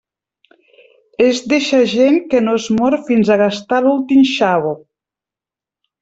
És d'eixa gent que no es mor fins a gastar l'últim xavo.